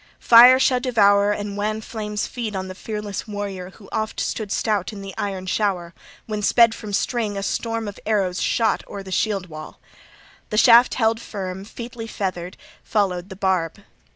" Fire shall devour and wan flames feed on the fearless warrior who oft stood stout in the iron shower, when, sped from the string, a storm of arrows shot o'er the shield wall: the shaft held firm, featly feathered, followed the barb."